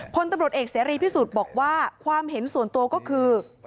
พลตำรวจเอกเสรีพิสุทธิ์บอกว่าความเห็นส่วนตัวก็คือ